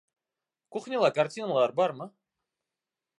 Кухняла картиналар бармы?